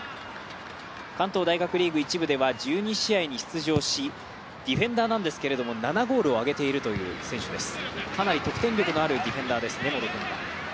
関東大学リーグ１部では１２試合に出場し、ディフェンダーなんですけど、７ゴールをあげているという選手です。